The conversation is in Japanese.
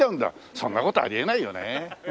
そんな事ありえないよね。